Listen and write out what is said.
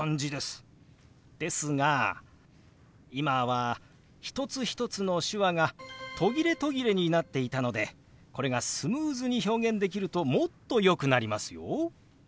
ですが今は一つ一つの手話が途切れ途切れになっていたのでこれがスムーズに表現できるともっとよくなりますよ。